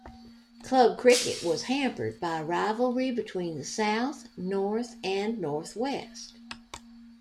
Club cricket was hampered by rivalry between the south, north and north-west.